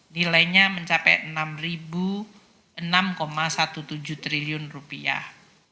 nilainya mencapai enam enam tujuh belas triliun rupiah